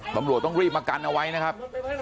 ตำรวจต้องรีบมากันเอาไว้นะครับ